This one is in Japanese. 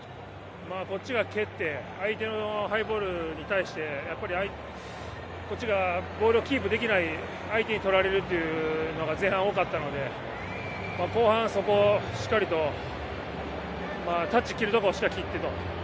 こっちが蹴って相手のハイボールに対してこっちがボールをキープできない相手にとられることが前半多かったので後半そこをしっかりとタッチ切るところをしっかり切って。